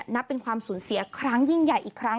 นับเป็นความสูญเสียครั้งยิ่งใหญ่อีกครั้ง